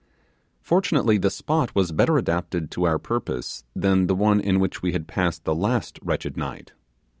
Fortunately the spot was better adapted to our purpose than the one in which we had passed the last wretched night.